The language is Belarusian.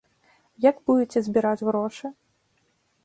Як будзеце збіраць грошы?